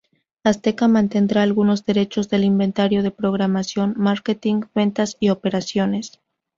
Azteca mantendrá algunos derechos del inventario de programación, marketing, ventas y operaciones.